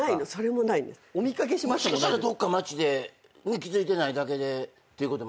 もしかしたらどっか街で気付いてないだけでってことも。